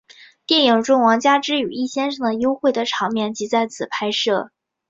电影中王佳芝与易先生的幽会的场面即在此拍摄。